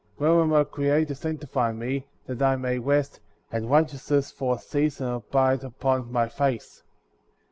When will my Creator sanctify me, that I may rest, and righteousness for a season abide upon my face